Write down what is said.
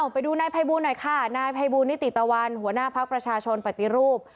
ไปดูนายภัยบูลหน่อยค่ะนายภัยบูลนิติตะวันหัวหน้าพักประชาชนปฏิรูป